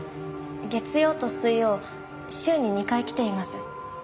月曜と水曜週に２回来ています。